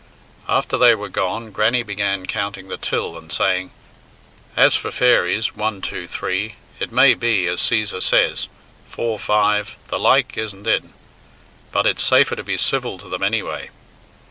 After they were gone, Grannie began counting the till and saying, "As for fairies one, two, three it may be, as Cæsar says four five the like isn't in, but it's safer to be civil to them anyway."